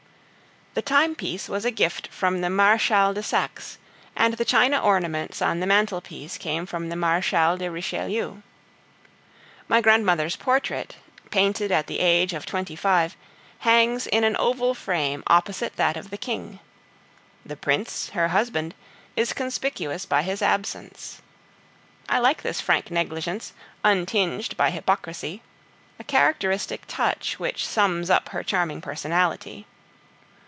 The timepiece was a gift from the Marechal de Saxe, and the china ornaments on the mantelpiece came from the Marechal de Richelieu. My grandmother's portrait, painted at the age of twenty five, hangs in an oval frame opposite that of the King. The Prince, her husband, is conspicuous by his absence. I like this frank negligence, untinged by hypocrisy a characteristic touch which sums up her charming personality.